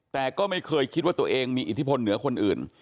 แต่ก็ไม่เคยคิดว่าตัวเองมีอิทธิพลเหนือคนอื่น